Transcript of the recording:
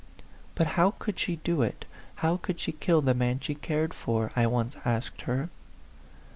"But how could she do it how could she kill the man she cared for ?" I once asked her.